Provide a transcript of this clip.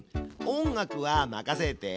音楽は任せて。